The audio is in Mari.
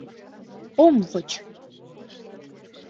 — Ом воч.